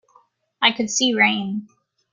I could see rain.